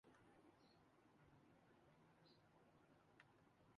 اس استدعاکو کیسے جھٹلایا جاسکتاہے؟